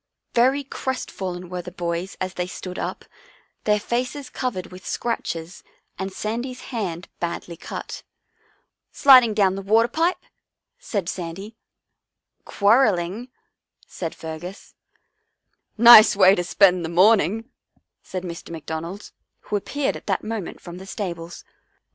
Very crestfallen were the boys as they stood up, their faces covered with scratches and Sandy's hand badly cut. " What were you doing? " asked both moth ers sternly. " Sliding down the water pipe," said Sandy. " Quarrelling," said Fergus. " Nice way to spend the morning," said Mr. McDonald, who appeared at that moment from the stables.